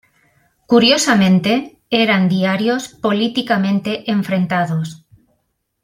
Curiosamente, eran diarios políticamente enfrentados.